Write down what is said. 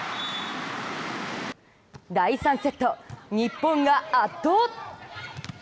第３セット、日本が圧倒！